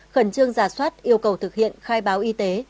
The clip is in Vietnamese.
khẩn trương giả soát yêu cầu thực hiện khai báo y tế